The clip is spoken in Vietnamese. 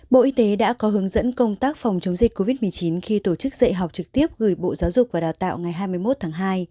bộ y tế đã có hướng dẫn công tác phòng chống dịch covid một mươi chín khi tổ chức dạy học trực tiếp gửi bộ giáo dục và đào tạo ngày hai mươi một tháng hai